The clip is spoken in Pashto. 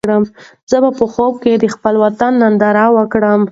زه به په خوب کې د خپل وطن ننداره وکړم.